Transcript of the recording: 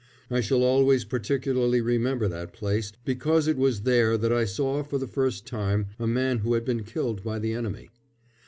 I shall always particularly remember that place, because it was there that I saw for the first time a man who had been killed by the enemy.